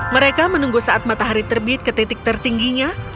mereka menunggu saat matahari terbit ke titik tertingginya